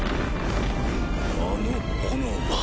あの炎は？